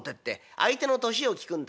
「相手の年を聞くんだ。